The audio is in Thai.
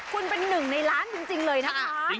คุณเป็นหนึ่งในล้านจริงเลยนะคะ